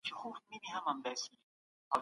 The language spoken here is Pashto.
څوک چي په خدای ايمان لري بايد ښې خبري وکړي.